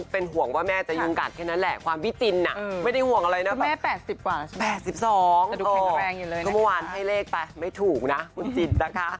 เพราะว่ากายุกินน้ำกัดอยู่แล้ว